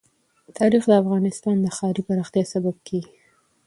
تاریخ د افغانستان د ښاري پراختیا سبب کېږي.